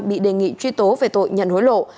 bị đề nghị truy tố về tội nhận hối lộ